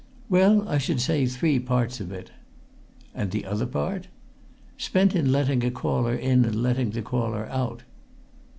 "Well, I should say three parts of it." "And the other part?" "Spent in letting a caller in and letting the caller out."